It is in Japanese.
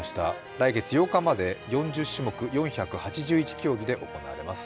来月８日まで４０種目４８１競技で行われます。